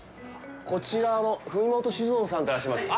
こちら、文本酒造さんでいらっしゃいますか。